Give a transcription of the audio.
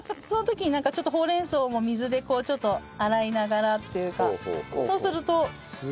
その時になんかちょっとほうれん草も水でちょっと洗いながらっていうかそうすると。